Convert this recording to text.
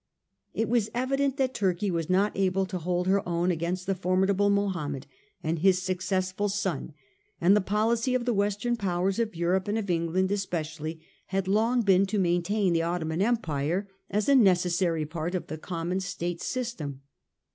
It was evident that Turkey was not able to hold her own against the formidable Mohammed and his successful son ; and the policy of the "Western powers of Europe, and of England especially, had long been to maintain the Ottoman Empire as a necessary part of the common State system.